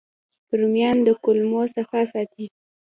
رومیان د کولمو صفا ساتي